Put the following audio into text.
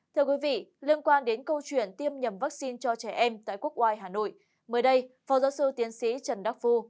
thưa quý vị liên quan đến câu chuyện tiêm nhầm vaccine cho trẻ em tại quốc oai hà nội mới đây phó giáo sư tiến sĩ trần đắc phu